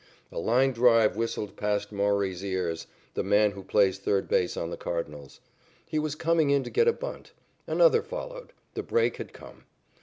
A line drive whistled past Mowrey's ears, the man who plays third base on the Cardinals. He was coming in to get a bunt. Another followed. The break had come.